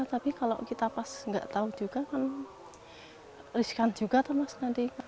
tapi kalau kita pas nggak tahu juga kan riskan juga tuh mas nanti